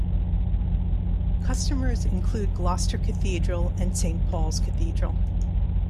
Customers include Gloucester Cathedral and Saint Paul's Cathedral.